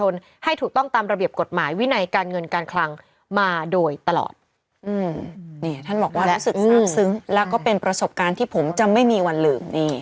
แล้วก็เป็นประสบการณ์ที่ผมจะไม่มีวันลืมนี้